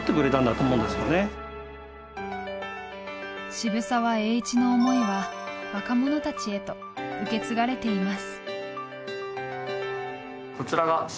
渋沢栄一の思いは若者たちへと受け継がれています。